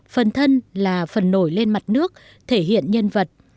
phần thân là phần nổi lên mặt nước thể hiện nhân vật